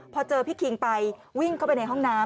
พอเจอพี่คิงไปวิ่งเข้าไปในห้องน้ำ